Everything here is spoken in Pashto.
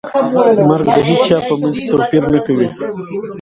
مرګ د هیچا په منځ کې توپیر نه کوي.